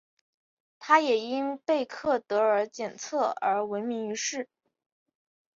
她也因贝克德尔测验而闻名于世。